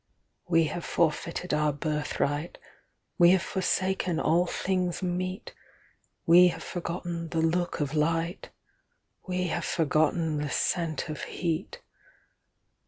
We have forfeited our birthright, We have forsaken all things meet; We have forgotten the look of light, We have forgotten the scent of heat.